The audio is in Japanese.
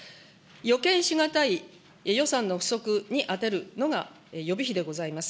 予見し難い予算の不足に充てるのが予備費でございます。